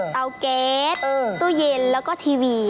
เตาแก๊สตู้เย็นแล้วก็ทีวี